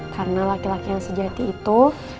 karena laki laki yang sejati itu